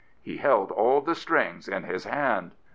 He held all the strings in his hand.